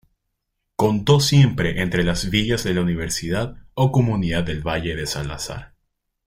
Contó siempre entre las villas de la "universidad" o comunidad del valle de Salazar.